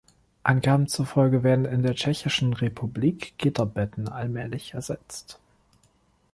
Angaben zufolge werden in der Tschechischen Republik Gitterbetten allmählich ersetzt.